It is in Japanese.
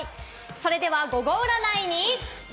それではゴゴ占いに。